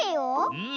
うん。